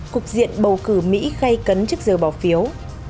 cục diện bầu cử mỹ gây cấn trước giờ bỏ phiếu